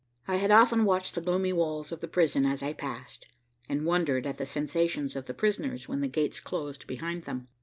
I had often watched the gloomy walls of the prison as I passed, and wondered at the sensations of the prisoners when the gates closed behind them.